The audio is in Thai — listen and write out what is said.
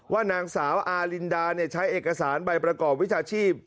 ว่านางสาวอารินดาใช้เอกสารใบประกอบวิชาชีพ